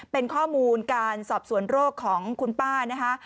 เป็นข้อมูลการสอบสวนโรคของคุณป้านะคะ